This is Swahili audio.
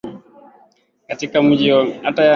katika miji ya ukanda wa afrika mashariki ikiongezeka